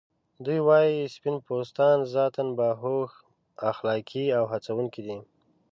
دوی وايي سپین پوستان ذاتاً باهوښ، اخلاقی او هڅونکي دي.